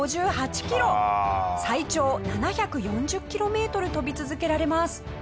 最長７４０キロメートル飛び続けられます。